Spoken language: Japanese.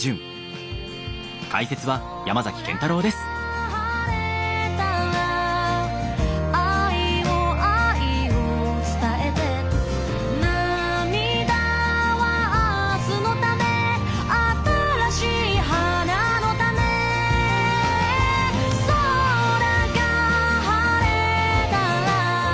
「空が晴れたら愛を、愛を伝えて」「涙は明日の為新しい花の種」「空が晴れたら」